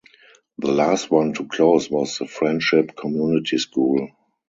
The last one to close was the Friendship Community School.